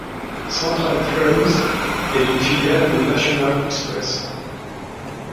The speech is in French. Central Trains est une filiale de National Express.